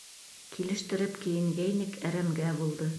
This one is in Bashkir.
Килештереп кейенгәйнек, әрәмгә булды.